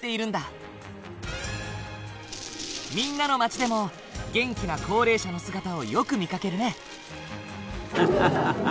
みんなの街でも元気な高齢者の姿をよく見かけるね。